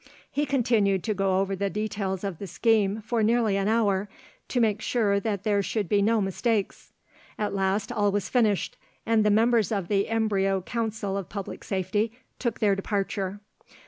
He continued to go over the details of the scheme for nearly an hour, to make sure that there should be no mistakes. At last all was finished, and the members of the embryo Council of Public Safety took their departure.